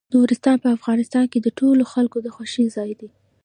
نورستان په افغانستان کې د ټولو خلکو د خوښې ځای دی.